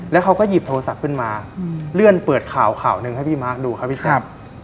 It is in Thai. แล้วเขาก็หยิบโทรศัพท์ขึ้นมาเลื่อนเปิดข่าวข่าวหนึ่งให้พี่มาร์คดูครับพี่แจ๊ค